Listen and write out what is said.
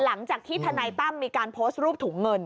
หลังจากที่ทนายตั้มมีการโพสต์รูปถุงเงิน